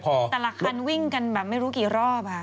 แต่ละคันวิ่งกันแบบไม่รู้กี่รอบ